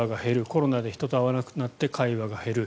コロナで人と会わなくなって会話が減る。